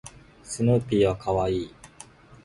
スヌーピーは可愛い